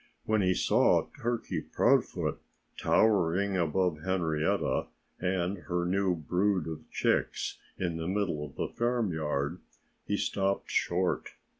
When he saw Turkey Proudfoot towering above Henrietta and her new brood of chicks in the middle of the farmyard he stopped short.